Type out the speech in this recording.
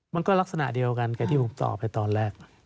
มันก็ลักษณะเดียวกันกับที่ผมตอบไปตอนแรก